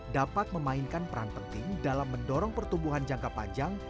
dapat memainkan peran penting dalam mendorong pertumbuhan jangka panjang